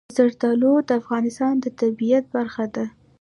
زردالو د افغانستان د طبیعت برخه ده.